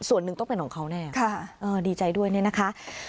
ส่วนหนึ่งต้องเป็นของเขาแน่ดีใจด้วยเนี่ยนะคะ